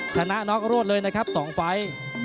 ชนะนอกรวดเลยนะครับสองไฟ